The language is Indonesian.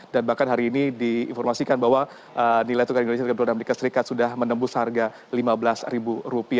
dan bahkan hari ini diinformasikan bahwa nilai tukar indonesia dan tni sudah menembus harga rp lima belas